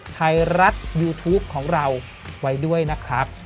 ไทยรัฐยูทูปของเราไว้ด้วยนะครับ